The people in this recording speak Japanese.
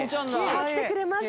さあ来てくれました。